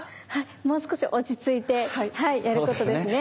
もう少し落ち着いてやることですね。